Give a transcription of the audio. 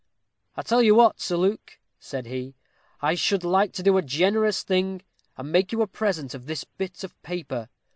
"I tell you what, Sir Luke," said he; "I should like to do a generous thing, and make you a present of this bit of paper.